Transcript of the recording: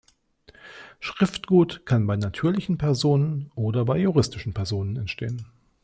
Schriftgut kann bei natürlichen Personen oder bei juristischen Personen entstehen.